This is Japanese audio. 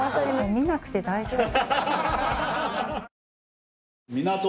見なくて大丈夫。